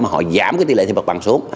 mà họ giảm cái tỷ lệ thuê mặt bằng xuống